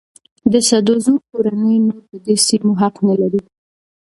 د سدوزو کورنۍ نور په دې سیمو حق نه لري.